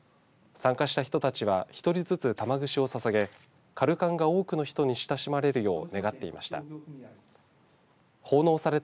参加した人たちは１人ずつ玉串をささげかるかんが多くの人に親しまれるよう願っていました。